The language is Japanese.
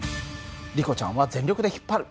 リコちゃんは全力で引っ張る。